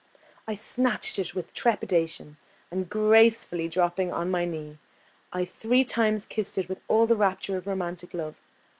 I snatched it with trepidation, and gracefully dropping on my knees, I three times kissed it with all the rapture of romantic love.